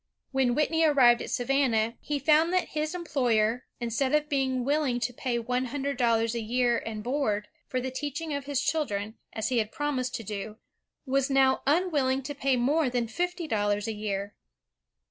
When Whitney arrived at Savannah, he foimd that his employer, instead of being willing to pay one himdred dollars a year and board, for the teaching of his children, as he had promised to do, was now unwilling to pay more than fifty dollars a year.